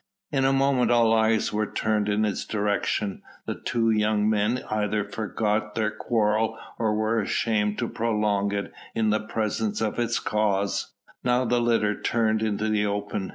In a moment all eyes were turned in its direction; the two young men either forgot their quarrel or were ashamed to prolong it in the presence of its cause. Now the litter turned into the open.